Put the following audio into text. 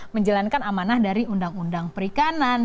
menjalankan amanah dari undang undang perikanan